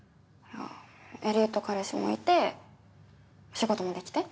エリート彼氏もいて仕事もできて。